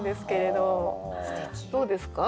どうですか？